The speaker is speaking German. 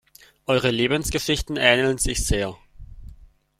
Eure Lebensgeschichten ähneln sich sehr.